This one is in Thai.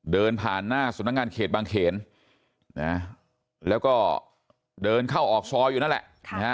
เดินผ่านหน้าสำนักงานเขตบางเขนแล้วก็เดินเข้าออกซอยอยู่นั่นแหละ